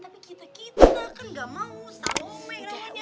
tapi kita kita kan gak mau salome namanya